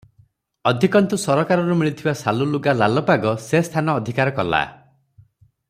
ଅଧିକନ୍ତୁ ସରକାରରୁ ମିଳିଥିବା ଶାଲୁ ଲୁଗା ଲାଲପାଗ ସେ ସ୍ଥାନ ଅଧିକାର କଲା ।